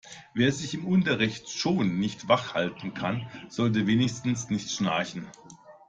Wer sich im Unterricht schon nicht wach halten kann, sollte wenigstens nicht schnarchen.